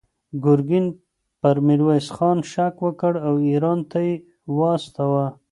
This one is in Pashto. ګورګین پر میرویس خان شک وکړ او ایران ته یې واستاوه.